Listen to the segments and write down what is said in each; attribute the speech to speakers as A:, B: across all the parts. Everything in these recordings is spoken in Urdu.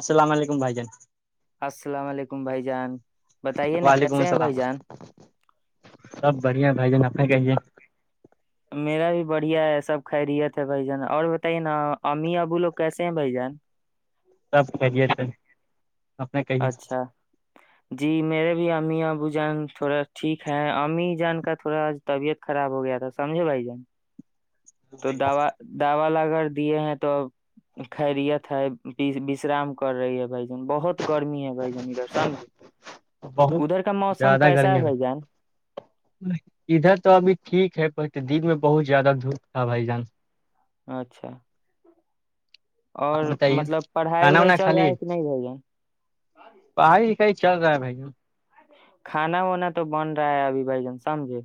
A: السلام علیکم بھائی جان
B: حکم بھائی جان بتائیے نا
A: وعلیکم
B: کیسے ہیں
A: السلام
B: بھائی جان
A: سب بڑھیا بھائی جان آ نے کہیے
B: میرا بھی بڑھیا ہے سب خیرییت ہے بھ جن اور بتائیے نا امی ابو لوگ کیسے ہیں بھ جان
A: سب خیے تھے
B: اچھا جی میرے بھی امی آب جان تھوڑا ٹھیک ہے امی جان کا تھوڑا طبیعت خراب ہو گیا تھا سمجھے بھائی جان تو دا دا لگا دیے ہیں تو خیریت ہےشرام کر رہی ہے بھائی بہت گرمی ہے بھائی جان ادھر سمجھے
A: بہت
B: ادھر کا موسم
A: زیادہ
B: کیسا
A: گرمی
B: ہے بھائی جان
A: دپ میں بہت زیادہ دھوپ تھا بھائی جان
B: اچھا
A: آپ
B: اور
A: بتائیے
B: مطلب پڑھائی
A: کھانا
B: وڑھائی
A: وانا
B: چل رہا
A: خالی
B: ہے کہ نہیں بھائی جان
A: پڑھائی لکھائی چل رہا ہے بھائی ج [inaudible]
B: کھانا وانا تو بن رہا ہے ابھی بھائی جان سمجھے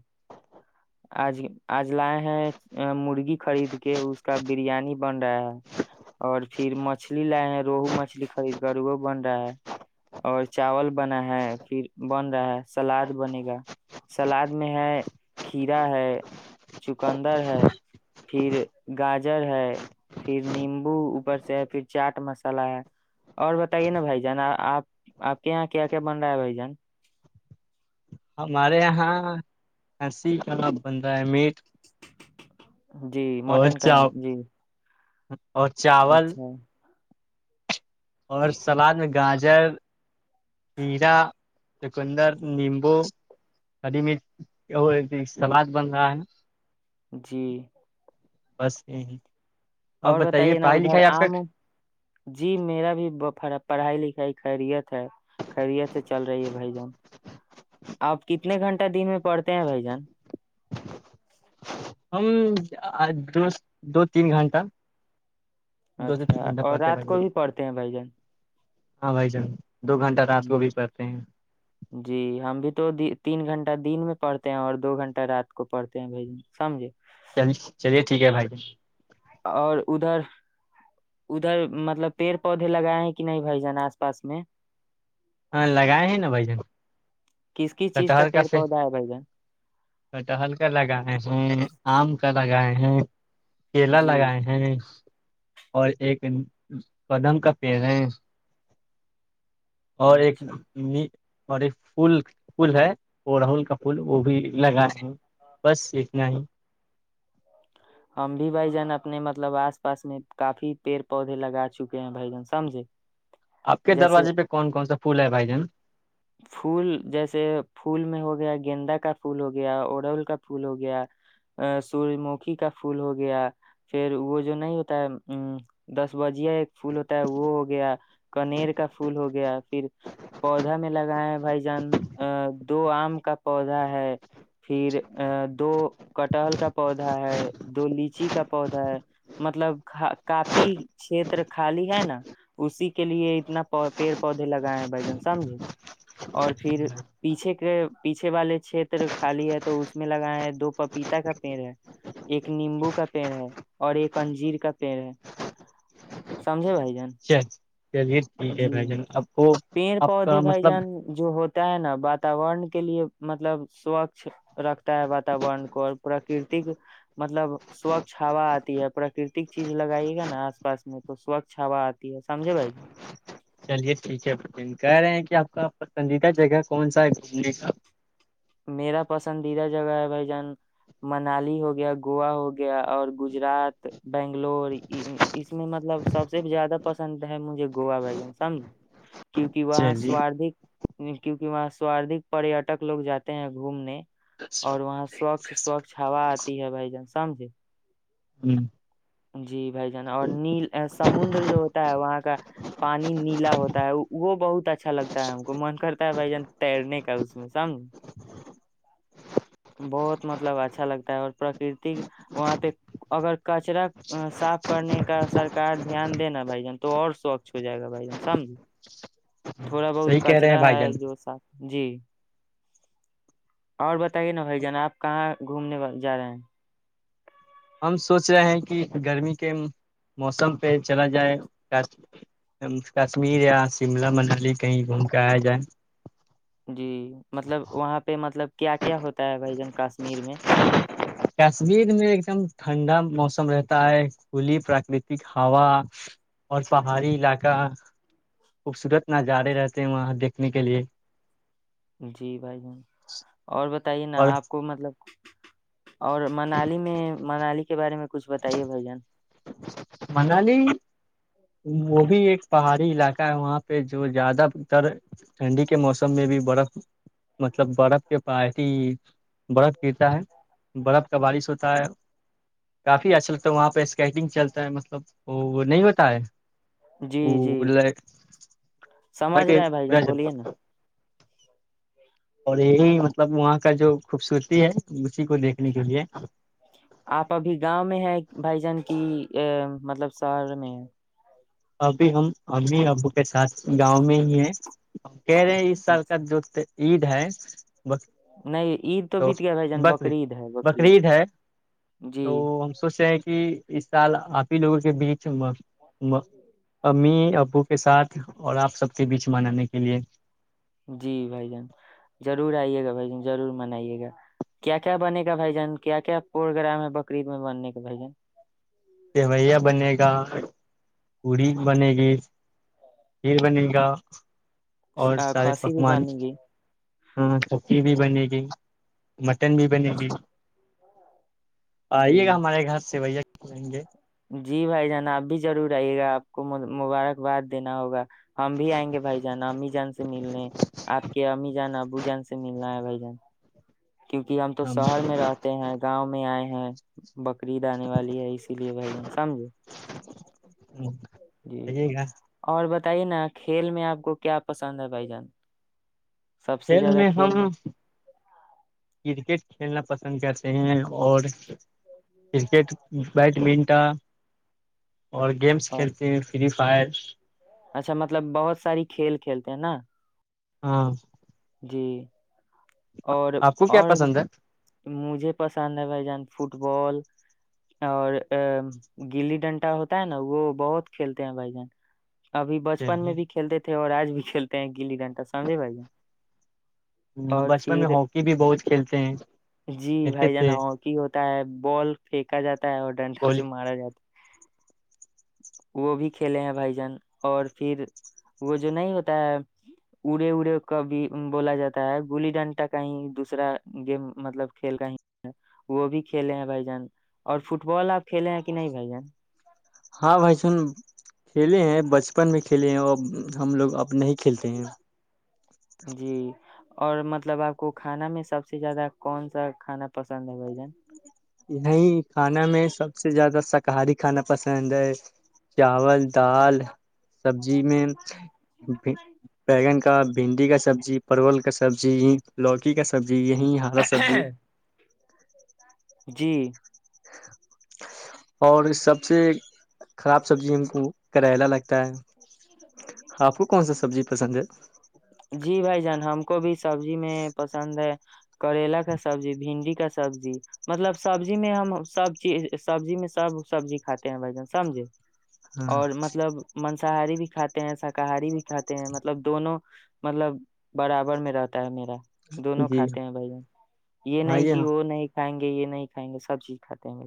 B: آج آج لائے ہیں مرغی خرید کے اس کا بریانی بن رہا ہے اور پھر مچھلی لائے ہیں روہو مچھلی خرید کر وہ بن رہا ہے اور چاول بنا ہے پھر بن رہا ہے سلاد بنے گا سلاد میں ہے کھیرا ہے چکندر ہے پھر گاجر ہے پھر نیمبو اوپر سے ہے پھر چاٹ مسالہ ہے اور بتائیے نا بھائی جان آپ آپ کے یہاں کیا کیا بن رہا ہے بھائی جان
A: ہمارے یہاں ہنسی کباب بن رہا ہے میٹ
B: جی
A: اور
B: مٹن کا
A: چا
B: جی
A: اور چاول
B: اچھا
A: اور سلاد میں گاجر ہیرا چکندر نیمبو ہری مرچ اور سواد بن رہا ہے
B: جی
A: بس یہ ہی
B: اور بتائیے نا ادھر آم جی میرا بھیر پڑھائی لکھائی خریت ہے خریت سے چل رہی ہے بھائی جان آپ کتنے گھنٹہ دن میں پڑتے ہیں بھائی جان
A: ہم دو تین گھنٹہ دو سے
B: اچھا
A: تین گھنٹہ
B: اور
A: پڑھتے ہیں
B: رات
A: بھائی جان
B: کو بھی پڑھتے ہیں بھائی جان
A: ہاں بھائی جان دو گھنٹہ رات
B: ہ
A: کو بھی پڑھتے ہیں
B: جی ہم بھی تو تین گھنٹے [inaudible] گھن دن میں پڑھتے ہیں اور دو گھنٹہ رات کو پڑھتے ہیں بھائی ج سمجھے
A: چل چلیے ٹھیک ہے بھائی
B: اور ادھر ادھر مطلب پیڑ پودے لگائے ہیں کہ نہیں بھ جان آس پاس میں
A: ہاں لگائے ہیں نا بھ جن
B: کس کس چیز
A: کٹہل کا
B: پیڑ
A: سے
B: پودا ہے بھائی جان
A: کٹہل کا لگائے ہیں آم کا ل گ ہیں کیلا
B: جی
A: لگائے ہیں اور ایک قدم کا پیر ہے اور ایک
B: اچھا
A: ن اور ایک پول پول ہے وہ راہل کا پھول وہ بھی لگائے ہیں بس اتنا ہی
B: ہم بھی بھائی جان اپنے مطلب آس پاس میں کافی پیڑ پودے لگا چکے ہیں بھائی جن سمجھے
A: آپ کے
B: جیسے
A: دروازے پہ کون کون سا پھول ہے بھائی جان
B: پول جیسے پھول میں ہو گیا گیندا کا پھول ہو گیا اڑول کا پھول ہو گیا سورج مکھی کا پھول ہو گیا پھر وہ جو نہیں ہوتا ہے ا دس بجیا ایک پھول ہوتا ہے وہ ہو گیا کنیر کا پھول ہو گیا پھر پودا میں لگائے بھ جن دو آم کا پودا ہے پھر ا دو کٹہل کا پودا ہے دو لیچی کا پودا ہے مطلب کافی چھیت خالی ہے نا اسی کے لیے اتنا پیڑ پودے لگائے ہیں بھ جن سمجھے اور پھر پیچھے کے پیچھے والے چھیتر خالی ہے تو اس میں لگائے ہیں دو پپیتا کا پیڑ ہے ایک نیمبو کا پیڑ ہے اور ایک انجیر کا پیڑ ہے سمجھے بھائی جان
A: چ چلیے ٹھیک ہے بھائی
B: جی
A: جان اب کو
B: پیڑ
A: آپ کا [unintelligible]
B: پودے بھائی جان جو ہوتا ہے نا واتورن کے لیے مطلب سوچھ رکھتا ہے واتورن کو اور پراکرتک مطلب سوچھ ہوا آتی ہے پراکرتک چیز لگائیے گا نا آس پاس میں تو سوچھ ہوا آتی ہے سمجھے بھائی
A: چلیے ٹھیک ہے بین کہہ رہے ہیں کہ آپ کا پسندیدہ جگہ کون سا ہے گھومنے کا
B: میرا پسندیدہ جگہ ہے بھائیجان منالی ہو گیا گووا ہوگیا اور گجرات بنگلور اس میں مطلب سب سے زیادہ پسند ہے مجھے گووا بھجان سمج کیونکہ وہاں
A: چلیے
B: سواردھک کیونکہ وہاں سواردک پریٹک لوگ جاتے ہیں گھومنے اور وہاں [unintelligible]
A: ہ
B: سوچھ سوچھ ہا آتی ہے بھائی جان سمجھے
A: ہوں [unintelligible]
B: جی بھائی جان اور نیل سمندر جو ہوتا ہے وہاں کا پانی نیلا ہوتا ہے وہ بہت اچھا لگتا ہے ہم کو من کرتا ہے بھائی جان تیرنے کا اس میں سمج بہت مطلب اچھا لگتا ہے اور پرکرتی وہاں پہ اگر کچرا صاف کرنے کا سرک دھیان دے نا بھائی جان تو اور سوچھ ہو جائے گا بھائی جان سمج تھوڑا بہت
A: صحیح کہہ رہے ہیں
B: کچرا
A: بھائی
B: ہے
A: جان
B: جو سا جی اور بتائیے نا بھائی جان آپ کہاں گھومنے جا رہے ہیں
A: ہم سوچ رہے ہیں کہ گرمی کے موسم پہ چلا جائے کشمیر یا شملہ منالی کہیں گھوم کے آیا جائے
B: جی مطلب وہاں پہ مطلب کیا کیا ہوتا ہے بھائی جن کشمیر میں
A: کشمیر میں ایک دم ٹھنڈا موسم رہتا ہے کھلی پراکرتک ہوا اور پہاڑی علاقہ خوبصورت نظارے رہتے ہیں وہاں دیکھنے کے لیے
B: جی بھائی ج اور ب [unintelligible] بتائی نا
A: اور
B: آپ کو مطلب اور منالی میں [unintelligible] منالی کے بارے میں [unintelligible] کچھ بتائیے بھ جن [inaudible]
A: منالی وہ بھی ایک پہاڑی علاقہ ہے وہاں پہ جو زیادہ تر ٹھنڈی کے موسم میں بھی برف مطلب برف کے پ ہی برف گرتا ہے برف کا بارش ہوتا ہے کافی اچھا لگتا ہے وہاں پہ اسکیٹنگ چلتا ہے مطلب وہ نہیں ہوتا ہے
B: جی
A: وہ
B: جی سمجھ رہے ہیں بھائی جان بولیے نا
A: ہ اور یہ [unintelligible] مطلب وہاں کا جو خوبصورتی ہے اسی کو دیکھنے کے لیے
B: آپ ابھی گاؤں میں ہے بھائی جان کی ا مطلب شہر میں [unintelligible]
A: ابھی ہم ابھی ابو کے ساتھ گاؤں میں ہی ہیں [unintelligible] کیرے اس سال کا
B: اچھا
A: جوورتے عید ہے [unintelligible] ری
B: نہیں عید
A: تو
B: بیت گیا بھائی جان
A: بقرید
B: بقرعید ہے
A: بقرعید ہے
B: جی
A: تو ہم سوچ رہ ہیں کہ اس سال آپ [unintelligible] ک لووں کے بیچبا [unintelligible]
B: جی [unintelligible]
A: امی ابو کے ساتھ [unintelligible] ساتھ اور آپ سب کے بیچ منانے کے لیے
B: جی بھائی جان ضرور آئیے گا بھ جن ضرور منائیے گا کیا کیا بنے گا بھائی جان کیا کیا پروگرام ہے بقرریید میں بننے کا بھائی جن
A: سویا بنے گا پڑی بنے گی کھیر بنے گا [unintelligible] اور
B: آ،
A: سارے
B: کھانسی بھی
A: پکوان
B: بنے گی
A: [unintelligible] ہاں سبی بھی بنے گی [unintelligible] مٹن بھی بنے
B: اچھا
A: گی [unintelligible] آئیے
B: جی
A: گا ہمارے گھر سے بھیا ہے [unintelligible]
B: جی بھائی جان آپ بھی ضرور آئیے گا آپ کو مبارکباد دینا ہوگا ہم بھی آئیں گے بھائی جان امی جان سے ملنے آپ کے امی جان ابو جان سے ملنا ہے بھائی جان کیونکہ ہم تو شہر میں رہتے ہیں گاؤں میں آئے ہاں [unintelligible] بکریید آنے والی ہے اسی لیے بھائی جان سمجھو
A: ہ [inaudible]
B: جی اور ب [unintelligible] بتائیے نا کھیل میں آپ کو کیا پسند ہے بھائی جان سب سے
A: کھیل
B: زیادہ
A: میں ہم کرکٹ کھیلنا پسند کرتے ہیں اور کرکٹ بیڈمنٹن اور گیمس
B: اور-
A: کھیلتے ہیں فری فائر
B: تینا
A: ہاں
B: جی اور
A: آپ کو کیا
B: اور
A: پسند ہے
B: مجھے پسند ہے بھائی جان فٹ بال اور گلی ڈنٹا ہوتا ہے نا وہ بہت کھیلتے ہیں بھائی جان ابھی بچپن
A: چلیے
B: میں بھی کھیلتے تھے اور آج بھی کھیلتے ہیں گیلی گھنٹا سمجے بے
A: ہم
B: اور
A: بچپن میں
B: پھر
A: ہاکی بھی بہت کھیلتے ہیں
B: جی
A: کھیلتے
B: بھائی
A: تھے
B: جان ہاکی ہوتا ہے بال پھینکا جاتا ہے اور ڈنڈا
A: بی
B: سے مارا جاتا ہے وہ بھی کھیلے ہیں بھائی جان اور پھر وہ جو نہیں ہوتا ہے اڑے اڑے ک بھی بولا جاتا ہے گلی ڈنٹا کہیں دوسرا گیم مطلب کھیل کہیں وہ بھی کھیلے ہیں بھائی جان اور فٹ بال آپ کھیلے ہیں کہ نہیں بھائی جان
A: ہاں بھائی سن کھیلے ہیں بچپن میں کھیلے ہیں اور ہم لوگ اب نہیں کھیلتے ہیں
B: جی اور مطلب آپ کو کھانا میں سب سے زیادہ کون سا کھانا پسند ہے بھ جن
A: یہ کھانا میں سب سے زیادہ شاکاہاری کھانا پسند ہے چاول دال سبزی میں بیگن کا بھنڈی کا سبزی پرول کا سبزی یہ لوکی کا سبزی یہی ہرا سبزی
B: جی
A: اور سب سے خراب سبزی ہم کو کریلا لگتا ہے ہاں آپ کو کون س س سبزی پسند ہے
B: جی بھائی جان ہم کو بھی سبزی میں پسند ہے کریلا کا سبزی بھنڈی کیا سبزی مطلب سبزی میں ہم سب چیز سبزی میں سب سبزی کھاتے ہیں بھ جن سمجھے
A: ہاں
B: اور مطلب م شساہاری بھی کھاتے ہیں شاکاہاری بھی کھاتے ہیں مطلب دونوں مطلب برابر میں رہتا ہے میرا دونوں
A: جی
B: کھاتے ہیں بھائی جان یہ نہیں
A: بھائی
B: کہ
A: ہاں
B: وہ نہیں کھائیں گے یہ نہیں کھائیں گے سب چیز کھاتے ہیں مے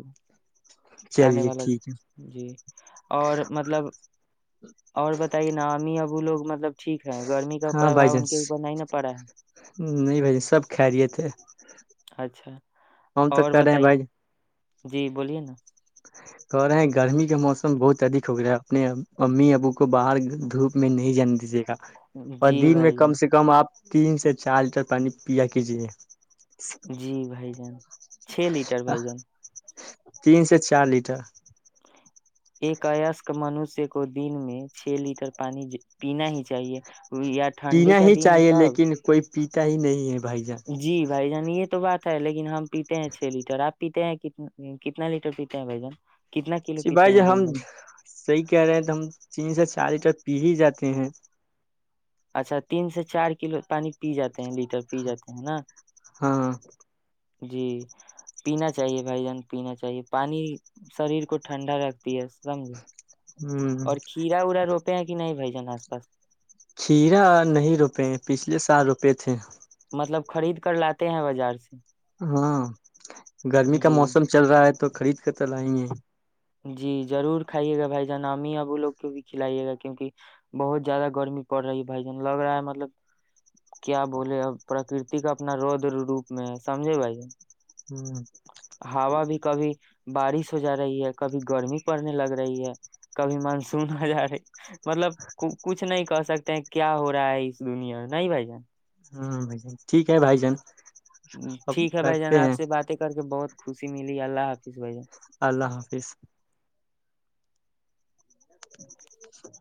A: چلیے ٹھیک ہے
B: اور مطلب اور بتائیے نامی اب وہ لوگ مطلب ٹھیک ہے گرمی کا
A: ہاں بھائی
B: پربھؤ
A: جان
B: ان کے اوپر نہیں نا پڑا ہے
A: نہیں بھائی جان سب کھہ رہیے تھے
B: اچھا اور بتائیے جی بولیے نا
A: کہ رہے ہیں گرمی کا موسم بہت ادک ہو گیاا ہے اپنے امی ابو کو باہر دھوپ میں نہیں جان دیجیے گا [unintelligible] اور
B: جی
A: دن میں
B: بھائی
A: کم
B: جان
A: سے کم آپ [unintelligible] تین سے چار لیٹر پانی پیا کیجیے [unintelligible]
B: جی بھائی جان چھ لیٹر بھائی جان [unintelligible]
A: تین سے چالیس [unintelligible] اچا [unintelligible]
B: ایک ایسک منوشیہ کو دن میں چھ لیٹر پانی پینا ہی چاہیے [unintelligible] ٹھنڈی
A: پینا
B: کا
A: ہی
B: دن ہے
A: چاہیے
B: تب
A: لیکن کوئی [unintelligible] پیتا ہی نہیں ہے [unintelligible]
B: جی بھائی جانیے [unintelligible] تو بات ہے لیکن ہم پیتے ہیں چھ لیٹر آپ پیتے ہیں کتنا لیٹر پیتے ہیں بھ جن [unintelligible]
A: ج بھائی ج ہم صحیح کہہ رہے ہیں تو ہم تین سے چار لیٹر پی ہی جاتے ہیں [unintelligible]
B: اچھا تین سے چار کلو پانی پی جاتے ہیں لیٹر پی جاتے ہیں ہے نا [unintelligible]
A: ہاں [unintelligible]
B: جی پینا چاہیے بھائی جان پینا چاہیے پانی شریر کو ٹھنڈا رکھتی ہے سمجھ [unintelligible]
A: ہ
B: اور کھیرا اورا روپے ہیں کہ نہیں بھائی [unintelligible] ن آس پاس [unintelligible]
A: کھیرا نہیں روپے پچھلے سال روپے تھے [unintelligible]
B: مطلب خرید کر لاتے ہیں بازار سے [unintelligible]
A: ہاں [unintelligible] گرمی کا
B: جی
A: موسم چل رہا ہے [unintelligible] تو خرید کر چلائیں گے [unintelligible]
B: جی ضرور کھائیے گا بھائی جان ا ہی اب لوگ کو بھی کھلائیے گا کیونکہ بہت زیادہ گرمی پڑ رہی ہے بھائی جان لگ رہا ہے مطلب کیا بولے اب پرکرت کا اپنا رودر روپ میں ہے سمجے بھائی جان [unintelligible]
A: ہ
B: ہوا بھی کبھی [unintelligible] بارش ہو جا رہی ہے کبھی گرمی پڑنے لگ رہی ہے کبھی مانسون ہو جا رہی مطلب کچھ نہیں کہ سکتے ہیں کیا ہو رہا ہے اس دنیا میں نہیں بھائی جان [unintelligible]
A: ہ بھائی ج ٹھیک ہے بھائی جان اب
B: ٹھیک ہے بھائی جان
A: بیھتے
B: آپ
A: ہیں
B: سے
A: [unintelligible]
B: باتیں کر کے بہت خوشی ملی اللہ حافظ بھائی [unintelligible]
A: اللہ حافظ [unintelligible] [inaudible]